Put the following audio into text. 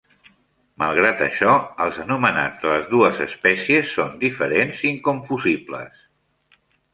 Malgrat això, els anomenats de les dues espècies són diferents i inconfusibles.